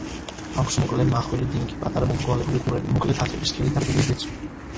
აქვს მოკლე, მახვილი დინგი, პატარა მომრგვალებული ყურები, მოკლე თათები, სქელი და რბილი ბეწვი.